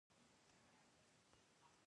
د دولت د اداري تشکیلاتو انسجام یو هدف دی.